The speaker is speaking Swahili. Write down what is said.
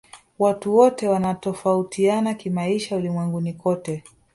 watu wote wanatofautiana kimaisha ulimwenguni kote